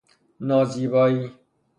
نازیبائی